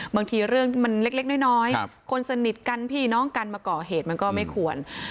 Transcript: บางทีเรื่องมันเล็กน้อยคนสนิทกันพี่น้องกันมาก่อเหตุมันก็ไม่ควร